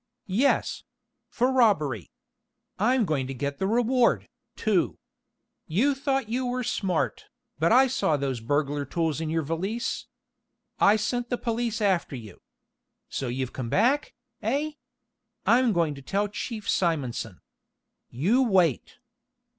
"Yes; for robbery. I'm going to get the reward, too. You thought you were smart, but I saw those burglar tools in your valise. I sent the police after you. So you've come back, eh? I'm going to tell Chief Simonson. You wait."